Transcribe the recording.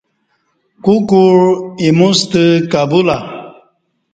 کو کوع ایموستہ کہ بولا